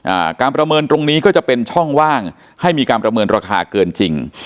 อ่าการประเมินตรงนี้ก็จะเป็นช่องว่างให้มีการประเมินราคาเกินจริง